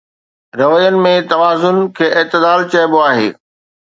روين ۾ توازن کي اعتدال چئبو آهي.